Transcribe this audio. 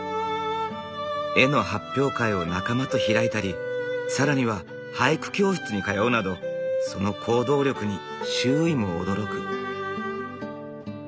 絵の発表会を仲間と開いたり更には俳句教室に通うなどその行動力に周囲も驚く。